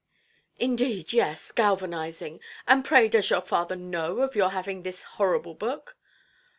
"Indeed; yes, galvanizing! and pray does your father know of your having this horrible book"?